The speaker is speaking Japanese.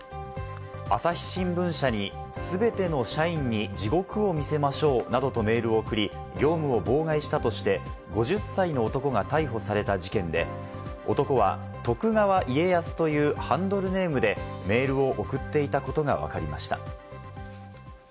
朝日新聞社に全ての社員に地獄を見せましょうなどとメールを送り、業務を妨害したとして、５０歳の男が逮捕された事件で、男は徳川家康というハンドルネームでメールを送っていたことがわかりました。